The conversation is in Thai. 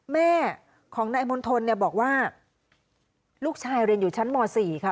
แม่ของนายมณฑลเนี่ยบอกว่าลูกชายเรียนอยู่ชั้นม๔ค่ะ